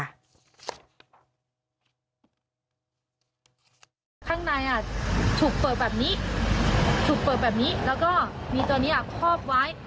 ข้างในถูกเปิดแบบนี้แล้วก็มีตัวนี้คอบวาย